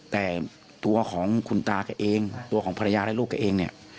แต่ตัวของคุณตาแกเองตัวของภรรยาและลูกแกเองเนี่ย